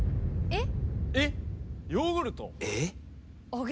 えっ？